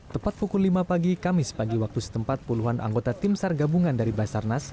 tepat pukul lima pagi kamis pagi waktu setempat puluhan anggota tim sar gabungan dari basarnas